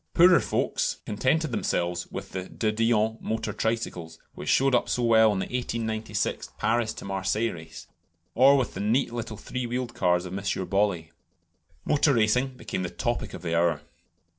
Poorer folks contented themselves with De Dion motor tricycles, which showed up so well in the 1896 Paris Marseilles race; or with the neat little three wheeled cars of M. Bollée. Motor racing became the topic of the hour.